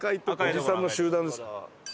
おじさんの集団です。